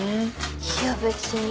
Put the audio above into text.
いや別に。